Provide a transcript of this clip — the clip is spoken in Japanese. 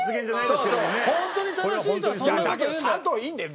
だけどちゃんといいんだよ。